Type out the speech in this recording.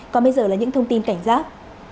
còn bây giờ là những thông tin cảnh giác